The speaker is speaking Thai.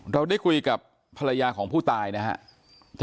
เราได้คุยกับภรรยาของผู้ตายนะครับ